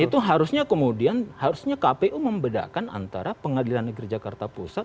itu harusnya kemudian harusnya kpu membedakan antara pengadilan negeri jakarta pusat